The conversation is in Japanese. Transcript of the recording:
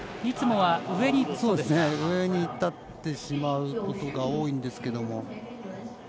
いつもは上に立ってしまうことが多いんですが。